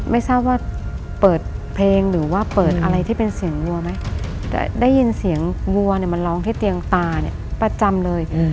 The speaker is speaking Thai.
ไม่ทราบว่าเปิดเพลงหรือว่าเปิดอะไรที่เป็นเสียงวัวไหมแต่ได้ยินเสียงวัวเนี่ยมันร้องที่เตียงตาเนี่ยประจำเลย